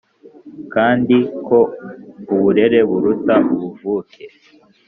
kandi ko uburereburuta ubuvuke.